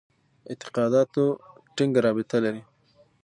اعتقاداتو ټینګه رابطه لري.